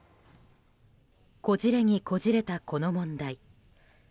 こじれにこじれた、この問題。